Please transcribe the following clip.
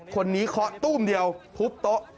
คนนี้เคาะตู้มเดียวพุบโต๊ะ